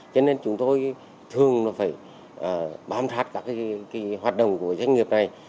cho nên chúng tôi thường phải bám thát các cái hoạt động của doanh nghiệp này